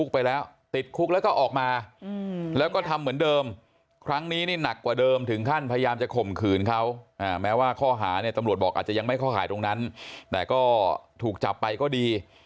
แผงนี้นะลักเล็กขโมยน้อยคือชาวบ้านเนี้ย